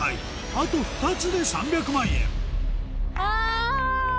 あと２つで３００万円あぁ！